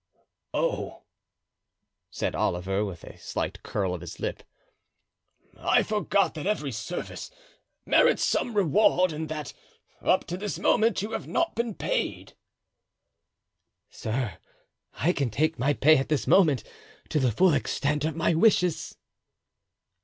"Oh!" said Oliver, with a slight curl of his lip, "I forgot that every service merits some reward and that up to this moment you have not been paid." "Sir, I can take my pay at this moment, to the full extent of my wishes."